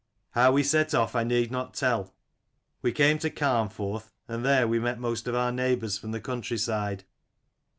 "How we set off I need not tell. We came to Carnforth, and there we met most of our neighbours from the country side.